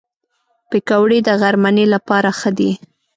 پکورې د غرمنۍ لپاره ښه دي